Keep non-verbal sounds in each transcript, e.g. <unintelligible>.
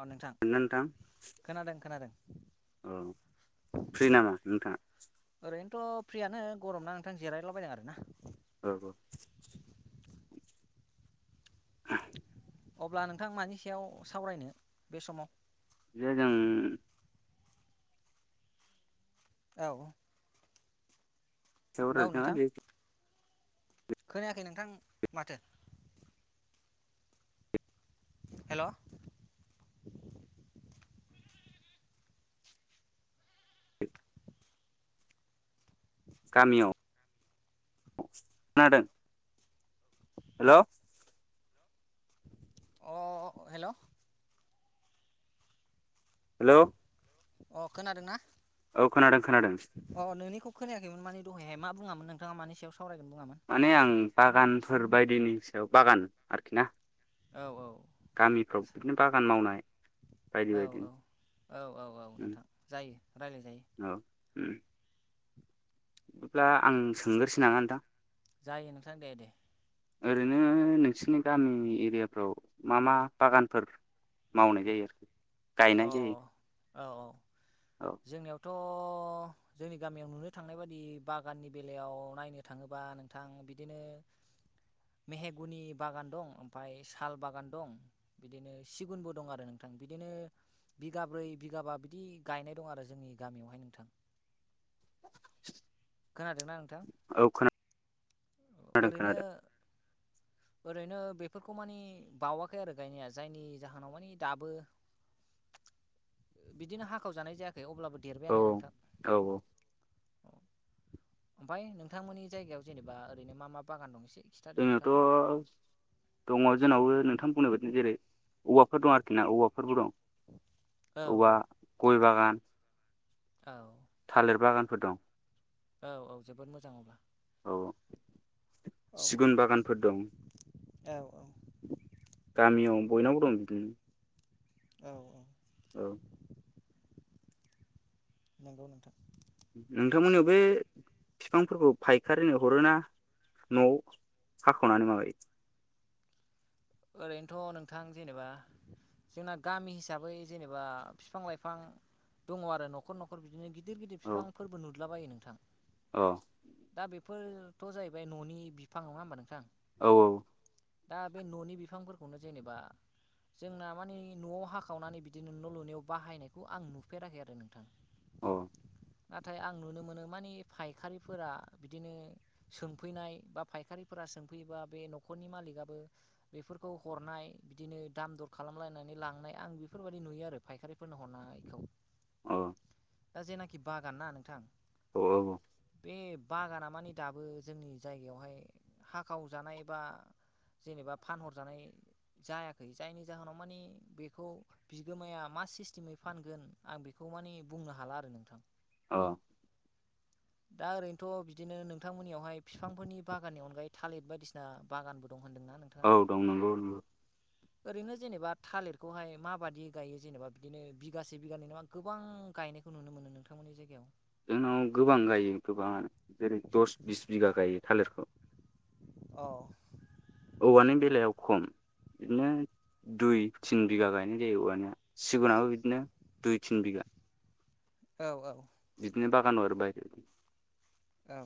अ नोंथां <unintelligible> खोनादों खोनादों औ फ्रि नामा नोंथाङा? आंथ फ्रियानो गरमना नोंथां जिरायलाबायदों आरो ना औ औ अब्ला नोंथां मानि सायाव सावरायनो बे समाव जे जों औ औ नोंथां <unintelligible> खोनायाखै नोंथां माथो हेलौ गामियाव खोनादों? हेलौ अ हेलौ हेलौ अ खोनादों ना? औ खोनादों खोनादों। अ नोंनिखौ खोनायाखैमोन मानि दहाय मा बुङामोन नोंथां मानि सायाव? सावरायगोन बुङामोन माने आं बागानफोर बायदिनि सायाव बागान आरोखि ना? औ औ गामिफ्राव बिदिनो बागान मावनाय। बायदि औ बायदि औ औ औ औ नोंथां जायो रायलाय जायो। <unintelligible> बिब्ला आं सोंगोरोसै नामा नोंथां? जायो नोंथां दे दे। ओरैनो नोंसोरनि गामि एरियाफ्राव मा मा बागानफोर मावनाय जायो आरोखि गायनाय जायो।? औ जोंनियाव थ' जोंनि गामियाव नुनो थांनाय बायदि बागाननि बेलायाव नायनो थाङोबा नोंथां बिदिनो मेहेगुनि बागान दं ओमफ्राय साल बागान दं बिदिनो सिगुनबो दं आरो नोंथां। बिदिनो बिगाब्रै बिगाबा बिदि गायनाय। दं आरो जोंनि गामियावहाय नोंथां। खोनादोंना नोंथां औ खोनादों ओरैनो खोनादों ओरैनो बेफोरखौ मानि बावाखै आरो गायनाया जायनि जाहोनाव माने दाबो बिदिनो हाखाव जानाय जायाख द अब्लाबो औ देरबायानो नोंथां। औ औ ओमफफ्राय नोंथांमोननि जायगायाव जेनेबा ओरैनो मा मा बागान दं एसे खिथादो नोंथाङा जोंनियावथ' दङ जोंनावबो नों नोंथाम बुंनाय बायनो जेरै औवाफोर दं आरोखि ना औवाफोरबो दं। औ औवा, औ गय बागान, औ थालिर बागान। फोर दं। औ औ जोबोद मोजां अब्ला औ औ सिगुन बागानफोर दं औ गामियाव बयनावबो दं। औ औ औ नंगौ नोंथां। नोंथांमोननियाव बे बिफांफोरखौ फायखारिनो हरोना? न'आव साख'नानै माबायो। ओरैनोथ' नोंथां जेनेबा जोंना गामि हिसाबै जेनेबा फिफां लाइफां दङ आरो न'खर न'खर बिदिनो गिद गिदिर गिदिर बिफांफोरबो नुदलाबायो नोंथां। औ दा बेफोरथ' जाहैबाय न'नि बिफां नङा होमबा नोंथां आं औ औ दा बे न'नि बिफांफोरखौनो जेनेबा जोंना मानिे न'आव हाखावनानै बिदिनो न' लुनायाव बाहायनायखौ आं नुफेराखै आरो नोंथां। औ अ नाथाय आं नुनो मोनो माने फायखारिफोरा बिदिनो सोंफैनाय बा फायखारिफो फोर सोंफैयोबा बे न'खरनि मालिकआबो बेफोरखौ हरनाय बिदिनो दाम दर खालामलायनानै लांनाय आं बेफोरबायदि नुयो आरो फायखारिफोरनो हरनानै गाइखौ। अ दा जेनाखि बागान ना नोंथां औ औ। बे बागाना मानि दाबो जोंनि जायगायावहाय हाखाव जानाय बा जेनेबा फानहरजानाय जायाखै जायनि जाहोनाव मानि बेखौ बिगोमाया मा सिस्टेमै फानगोन आं बेखौ मे बुंनो हाला आरो नोंथां। औ। दा ओरैनोथ' बिदिनो नोंथांमोननियावहाय बिफांफोरनि बागाननि अनगायै थालिर बायदिसिना बागानबो दं होन्दोंना नोंथाङा औ दं नंगौ। ओरैनो जेनेबा थालिरखौहाय माबाददि गायो जेनेबा बिदिनो बिगासे बिगानै नामा गोबां गायनाय खौ नुनोमोनो नोंथांमोननि जायगायाव जोंनाव गोबां गायो गोबां जेरै दस बिस बिगा गायो थालिरखौ औ औवानि बेलायाव खम बिदिनो दुइ तिन बिघा गायनाय जायो औवानि सिगुनाबो बिदिनो दुइ तिन बिघा औ औ। बिदिनो बागानाव आरो बाहेरदि औ।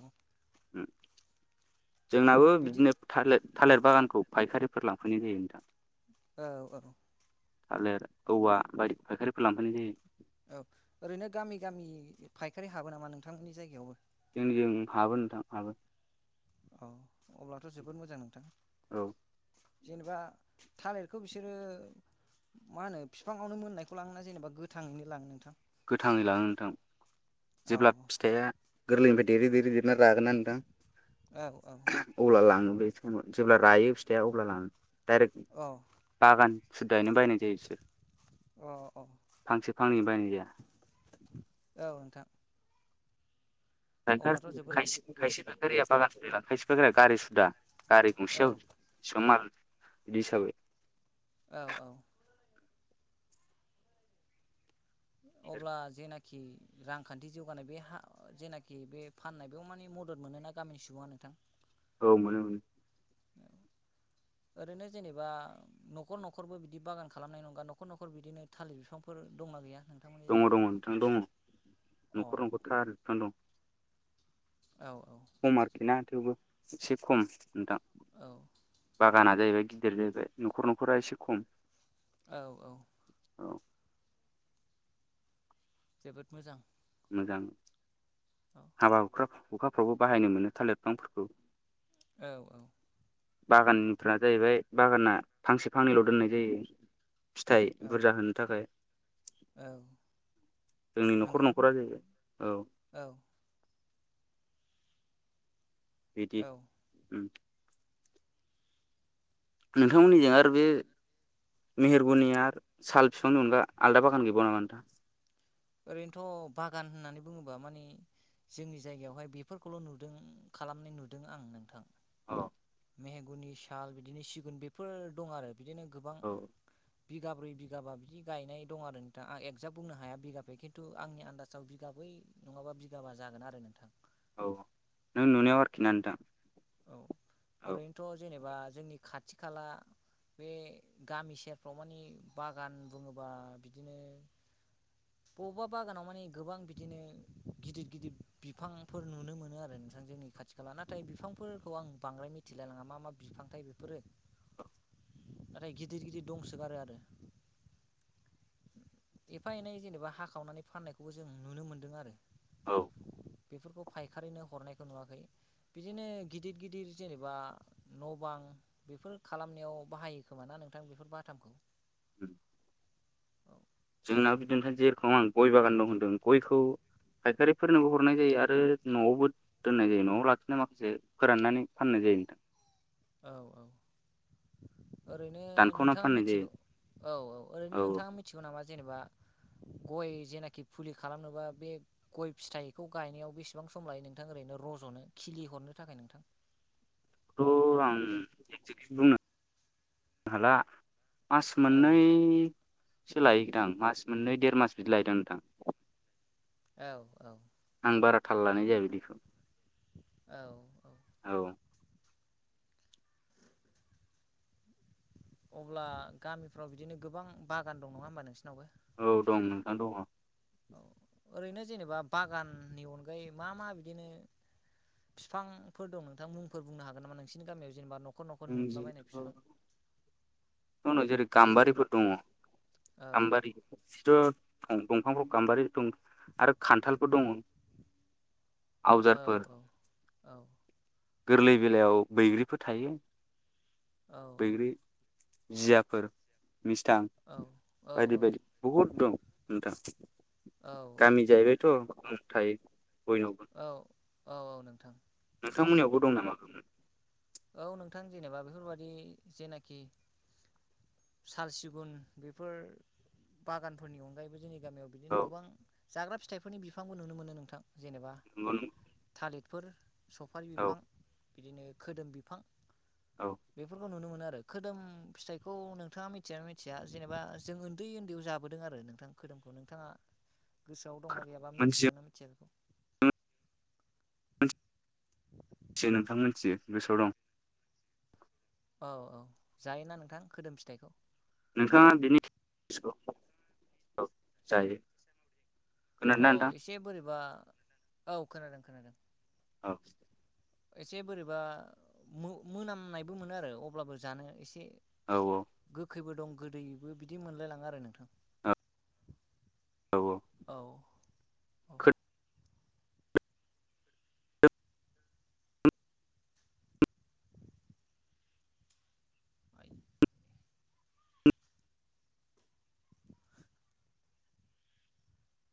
जोंनाबो बिदि बिदिनो थार थालिर बागानखौ फायखारिफोर लांफैनाय जायो नोंथां। औ औ। थालिर औवा बायदि फायखारिफोर लांफानाय जायो। औ ओरैनो गामि गामि फायखारि हाबो नामा नोंथांमोननि जायगायावबो? जों जों हाबो नोंथां हाबो। औ अब्लाथ' जोबोद मोजां नोंथां। औ जेनेबा थालिरखौ बिसोरो मा होनो बिफाङावनो मोननायखौ लाङोना जेनेबा गोथाङैनो लाङो नोंथां? गोथाङै लाङो नोंथां औ जेब्ला फिथाइया गोरलै ओमफ्राय देरै देरै देरना रागोनना नोंथां औ औ। अब्ला लाङो जेब्ला रायो फिथाइया अब्ला लां दाइरेक औ बागान सुददायैनो बायनाय जायो बिसोर अ फांसे फांनै बायनाय जाया। औ औ नोंथां। अब्लाथ' खायफा जोबोद खायसे फाइखारिया बागान लायो खाइसे फायखारिया गारि सुदा गारि औ गंसेयाव बेसेबां माल बिदि हिसाबै औ औ। अब्ला जेनाकि कि रांखान्थि जौगानाय बे हा जेनाखि बे फाननाय बेयाव माने मदद मोनोना गामिनि सुबुङा नोंथां? औ मोनो मोनो औ। ओरैनो जेनेबा न'खर न'खरबो बिदि बागान खालामनाय नंङा न'खर न'खर बिदिनो थालिर बिफां फां फोर दंना गैया? नोंथांमोननि जायगायाव दङ' दङ' नोंथां दङ' अ औ न'खर न'खर थालिर बिफां दं। औ खम आरोखि ना थेवबो एसे खम नोंथां औ बागाना जाहैबाय गि देरलायबाय न'खर न'खरा एसे खम। औ औ। औ। जोबोद मोजां। मोजां औ हाबा हुखा हुखाफ्रावबो बाहायनो मोनो थालिर बिफांफोरखौ। औ औ बागानफ्रा जाहैबाय बागाना फांसे फांनैल' दोननाय जायो। फिथाइ औ बुरजा होनो थाखाय जोंनि न'खर नंगौ न' खरा जाहैबाय औ बिदि औ ओम नोंथांमोननिजों आरो बे मेहेरगनियार साल फिफांनि अनगा आलदा बागान गैबवा नामा नोंथां ओरैनोथ' बागान होननानै बुङोबा माने जोंनि जायगायावहाय बेफोरखौल' नुदों खालामनाय नुदों आं नोंथां औ मेहेगुनि साल बिदिनो सिगुन बेफोर दं आरो बिदिनो गोबां औ बिगाब्रै बिगाबा बिदि गायनाय दं आरो नोंथां आं एकजाक बुंनो हाया बिगा बे खिन्थु आंनि आनदाजाव बिगाबै नङाबा बिगाबा जागोन आरो नोंथां। औ नों नुनायाव आरोखि ना नोंथां। औ औ ओरैनोथ' जेनेबा जोंनि खाथि-खाला बे गामि सेरफ्राव माने बागान बुङोबा बिदिनो बबेबा बागानाव माने गोबां बिदिनो गिदिर गिदिर बिफांफोर नुनो मोनो आरो थां जोंनि खाथि खाला नाथाय बिफांफोरखौ आं बांद्राय मिथिलायलाङा मा मा बिफांथाय बेफोरो नाथाय गिदिर गिदिर दंसोगारो आरो एफा एनै जेनेबा हाखावनानै फाननायखौबो जों नुनो मोनदों आरो औ फोरखौ फायखारिनो हरनायखौ नुवाखै बिदिनो गिदिर गिदिर जेनेबा न'बां बेफोर खालामनायाव बाहायो खोमा ना नोंथां बेफोर बा ताम ओम औ आंनाव बिदिथ जेरखम आं गय बागान दं होनदों गयखौ फायखारिफोरनोबो हरनाय जायो आरो न'आवबो दोननाय जायो न'आव लाखिनाय माखासे फोराननानै फाननाय जायो। जायो नोंथां औ औ ओरैनो दानखावना नोंथाङा फाननाय जायो मिथिगौ औ औ ओरैनो औ नोंथाङा मिथिगौ नामा जेनेबा गय जेनाखि फुलि खालामनोबा बे गय फिथाइखौ गायनायाव बेसेबां सम लायो नोंथां ओरै रज'नो खिलि हरनो थाखाय नोंथां। बेथ' आं बुंनो बुंनो हाला मास औ मोननै सो लायोदां मास मोननै देर मास बिदि लायो दां नोंथां। औ औ आं बारा थाल लानाय जाया बिदिखौ औ औ अब्ला गामिफ्राव बिदिनो गोबां बागान दं नङा होमबा नोंसिनावबो? औ दं नोंथां दङ'। औ ओरैनो जेनेबा बागाननि अनगायै मा मा बिदिनो बिफांफोर दं नोंथां मुंफोर बुंनो हागोन नामा नोंसिनि गामियाव जेनेबा न <unintelligible> जेरै गाम्बारिफोर दङ' औ गामबारि दंफांफोर गाम्बारि दं आरो खान्थालफोर दङो। औ औ औ गोरलै बेलायाव बैग्रिफोर थायो औ औ बैग्रि जियाफोर मिस्थां औ औ बायदि बायदि बहुद दं नोंथां औ गामि जायोबायथ' अ थायो बयनावबो औ औ औ नोंथां थांमोननियावबो दं नामा औ नोंथां जेनेबा बेफोरबादि जेनाखि साल सिगुन बेफोर बागानफोरनि अनगायैबो जेने गामियाव औ बिदिनो गोबां जाग्रा फिथाइफोरनि बिफांबो नुनो मोनो नोंथां जेनेबा नंगौ नंगौ थालिर फोर सफारि औ बिफां बिदिनो खोदोम बिफां औ बेफोरखौ नुनो मोनो। आरो खोदोम फिथाइखौ नोंथाङा मिथियोना मिथिया जेनेबा जों उन्दै उन्दैयाव जाबोदों आरो नोंथां। खोदोमखौ नोंथाङा गोसोआव दंना गैयाबा मोनथियो मिथिदोंना मिथिया बेखौ मिथियो नोंथां मिथियो गोसोआव दं। औ औ जायोना नोंथां खोदोम फिथाइखौ नोंथाङा <unintelligible> जायो औ खोनादोंना नोंथां एसे बोरैबा औ खोनादों खोनादों औ एसे बोरैबा मो मोनामनायबो मोनो आरो अब्लाबो जानो एसे औ औ गोखैबो दं गोदैबो बिदि मोनलायलाङो आरो नोंथां। औ औ औ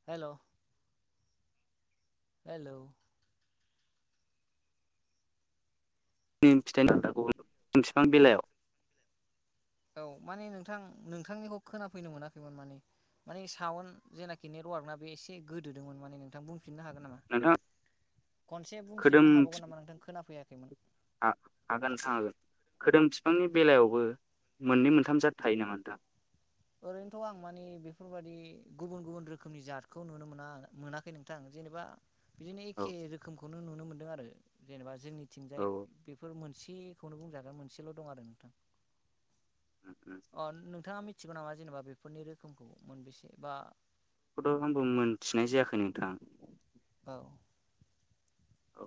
हेल' हेल' दिनि <unintelligible> बेलायाव औ माने नोंथां नोंथांनिखौ खोनाफैनो मोनाखैमोन माने माने साउन्ड जेनाखि नेटवार्कना बे एसे गोदोदोंमोन माने नोंथां बुंफिननो हागोन नामा? नोंथाङा खनसे खोदोम बुंफिननो हाबावगोन नामा नोंथां खोनाफैयाखैमोन? हागोन नोंथां हागोन खोदोम बिफांनि बेलायावबो मोननै मोनथाम जााद थायो नामा नोंथां? ओरैनोथ' आं मानिे बेफोरबायाददि गुबुन गुबुन रोखोमनि जातखौ नुनो मोना मोनाखै नोंथां जेनेबा बिदिनो औ एखे रोखोमखौनो नुनो मोनदों आरो जेनेबा औ जोंनिथिंजाय बेफोर मोन सेखौनो बुंजागोन मोनसेल' दं आरो नोंथां अ नोंथाङा मि थिगौ नामा जेनेबा बेफोरनि रोखोमखौ मोनबेसे बा बेखौथ' आंबो मोनथिनाय जायाखै नोंथां। औ औ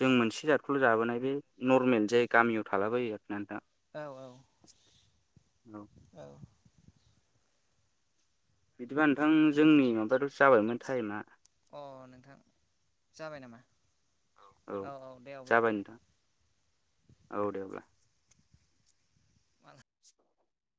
जों मोनसे जादखौल' जाबोनाय बे नरमेल जाय गामियाव थलाबायो औ औ औ बिदिबा नोंथां जोंनि माबाथ' जाबायमोन टाइमा अ नोंथां जाबाय नाम? औ जाबाय नोंथां औ दे अब्ला माल <unintelligible>